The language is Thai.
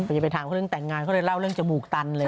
จะไปถามเขาเรื่องแต่งงานเขาเลยเล่าเรื่องจมูกตันเลย